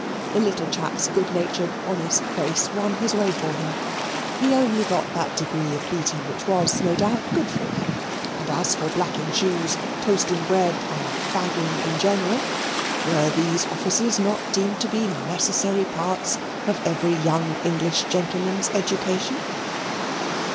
The little chap's good natured honest face won his way for him. He only got that degree of beating which was, no doubt, good for him; and as for blacking shoes, toasting bread, and fagging in general, were these offices not deemed to be necessary parts of every young English gentleman's education?